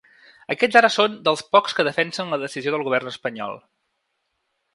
Aquests ara són dels pocs que defensen la decisió del govern espanyol.